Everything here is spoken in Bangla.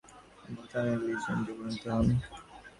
তিনি কালক্রমে এই মাহদি অভ্যুত্থানের লিজেণ্ডে পরিনত হন।